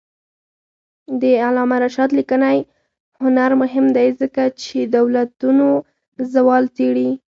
د علامه رشاد لیکنی هنر مهم دی ځکه چې دولتونو زوال څېړي.